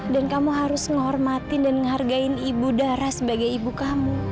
dan kamu harus menghormati dan menghargai ibu dara sebagai ibu kamu